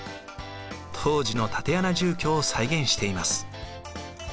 当時の竪穴住居を再現しています。